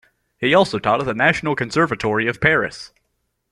He also taught at the National Conservatory of Paris.